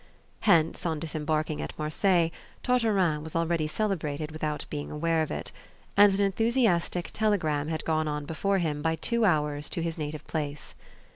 Hence, on disembarking at Marseilles, Tartarin was already celebrated without being aware of it, and an enthusiastic telegram had gone on before him by two hours to his native place.